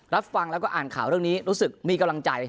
รับฟังแล้วก็อ่านข่าวเรื่องนี้รู้สึกมีกำลังใจ